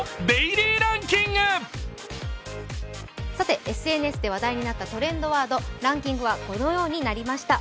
さて、ＳＮＳで話題になったトレンドワードランキングはご覧のようになりました。